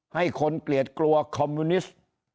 ให้คนเกลียดกลัวคอมมิวนิสต์